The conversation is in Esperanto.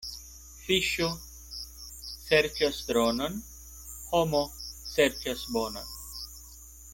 Fiŝo serĉas dronon, homo serĉas bonon.